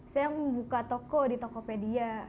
saya membuka toko di tokopedia